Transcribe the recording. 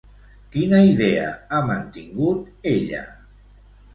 Quina idea ha mantingut, ella?